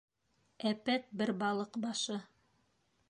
Әпәт бер балыҡ башы.